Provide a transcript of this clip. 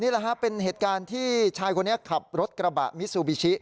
เป็นเหตุการณ์ที่ชายคนนี้ขับรถกระบะมิซูบิชิ